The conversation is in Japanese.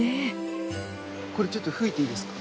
これちょっと吹いていいですか？